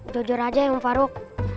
jujur aja om faruk